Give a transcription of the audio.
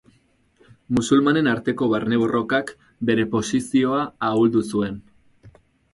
Musulmanen arteko barne-borrokak bere posizioa ahuldu zuen.